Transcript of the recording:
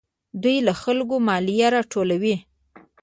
دوی له خلکو مالیه راټولوي.